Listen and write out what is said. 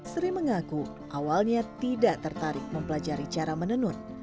sri mengaku awalnya tidak tertarik mempelajari cara menenun